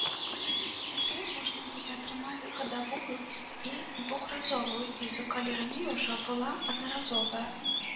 Цяпер можна будзе атрымаць гадавую і двухразовую візу, калі раней ужо была аднаразовая.